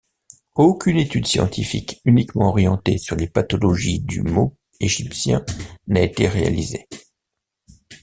Aucune étude scientifique uniquement orientée sur les pathologies du mau égyptien n'a été réalisée.